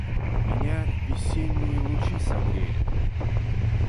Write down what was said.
Меня весенние лучи согрели.